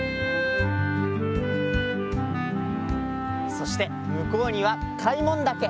そしてむこうには開聞岳！